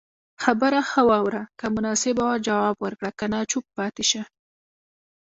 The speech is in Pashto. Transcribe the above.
خبره خه واوره که مناسبه وه جواب ورکړه که نه چوپ پاتي شته